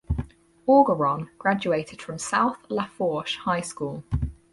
Orgeron graduated from South Lafourche High School.